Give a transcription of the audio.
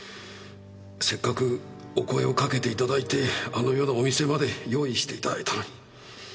せっかくお声をかけていただいてあのようなお店まで用意していただいたのに。